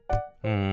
うん。